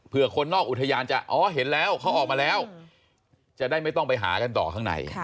เพื่อคนนอกอุทยานจะอ๋อเห็นแล้วเขาออกมาแล้วจะได้ไม่ต้องไปหากันต่อข้างใน